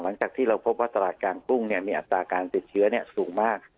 หลังจากที่เราพบว่าตลาดการปุ้งเนี่ยมีอัตราการติดเชื้อเนี่ยสูงมาก